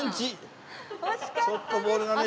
ちょっとボールがね